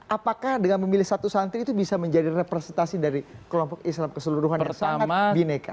apakah dengan memilih satu santri itu bisa menjadi representasi dari kelompok islam keseluruhan yang sangat bineka